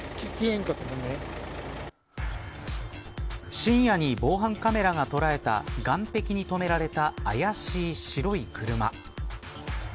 深夜に防犯カメラが捉えた岸壁に止められたあやしい白い車。